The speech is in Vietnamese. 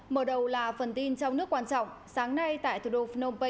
hãy đăng ký kênh để ủng hộ kênh của chúng mình nhé